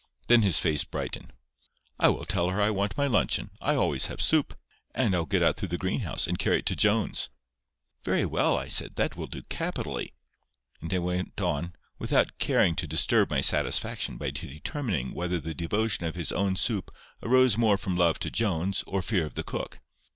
Then his face brightened. "I will tell her I want my luncheon. I always have soup. And I'll get out through the greenhouse, and carry it to Jones."—"Very well," I said; "that will do capitally." And I went on, without caring to disturb my satisfaction by determining whether the devotion of his own soup arose more from love to Jones, or fear of the cook.